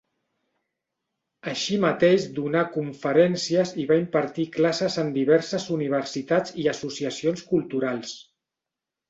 Així mateix donà conferències i va impartir classes en diverses universitats i associacions culturals.